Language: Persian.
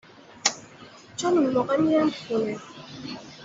چون اون موقع میرم خونه